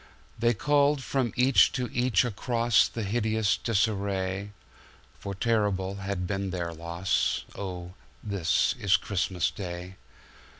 They called from each to each acrossThe hideous disarray, For terrible has been their loss:"Oh, this is Christmas Day!"